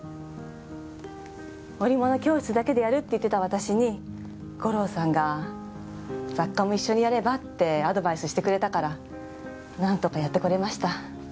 織物教室だけでやるって言ってた私に五郎さんが雑貨も一緒にやればってアドバイスしてくれたからなんとかやってこられました。